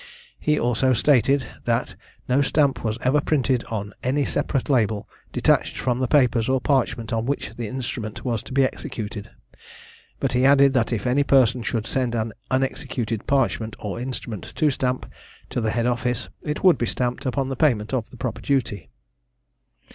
He also stated, that no stamp was ever printed on any separate label, detached from the papers or parchment on which the instrument was to be executed. But he added, that if any person should send an unexecuted parchment or instrument to stamp, to the head office, it would be stamped upon the payment of the proper duty.